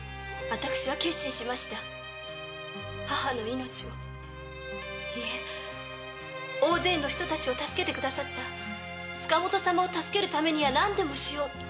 私は決心しました母の命をいえ大勢の人たちを助けて下さった塚本様を助けるためにはなんでもしようと。